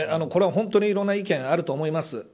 これは本当にいろんな意見があると思います。